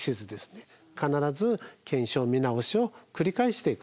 必ず検証見直しを繰り返していく。